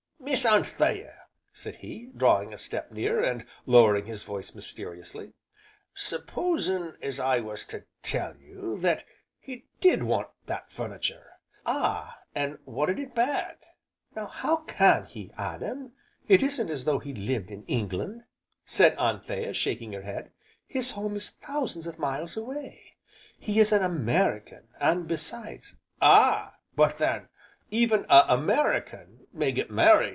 "Miss Anthea," said he, drawing a step nearer, and lowering his voice mysteriously, "supposing as I was to tell you that 'e did want that furnitur', ah! an' wanted it bad?" "Now how can he, Adam? It isn't as though he lived in England," said Anthea, shaking her head, "his home is thousands of miles away, he is an American, and besides " "Ah! but then even a American may get married.